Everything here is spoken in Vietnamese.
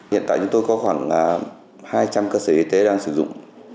hiện tại chúng tôi có khoảng hai trăm linh cơ sở y tế đang sử dụng